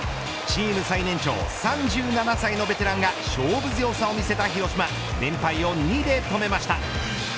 チーム最年長３７歳のベテランが勝負強さを見せた広島連敗を２で止めました。